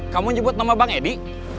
kamu nyebut nama bang edi